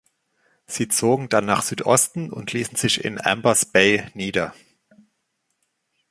Sie zogen dann nach Südosten und ließen sich in Ambas Bay nieder.